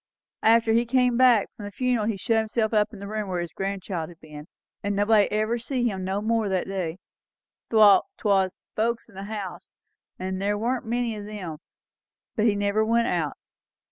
And after he come back from the funeral he shut himself up in the room where his grandchild had been and nobody ever see him no more from that day, 'thout 'twas the folks in the house; and there warn't many o' them; but he never went out.